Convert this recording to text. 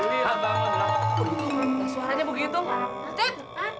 berasa angin tuh ya